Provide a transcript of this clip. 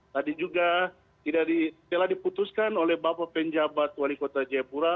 tadi juga telah diputuskan oleh bapak penjabat wali kota jayapura